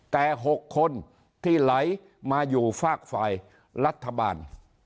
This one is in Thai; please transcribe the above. แต่๖คนที่ไหลมาอยู่ฝากฝ่ายรัฐบาล